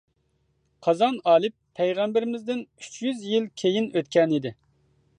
قازان ئالىپ پەيغەمبىرىمىزدىن ئۈچ يۈز يىل كېيىن ئۆتكەنىدى.